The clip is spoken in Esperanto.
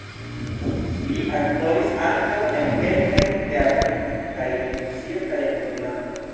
Li aktoris ankaŭ en kelkaj teatroj kaj en Rusio kaj en Finnlando.